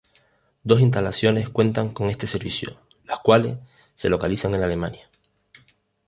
Dos instalaciones cuentan con este servicio, las cuales se localizan en Alemania.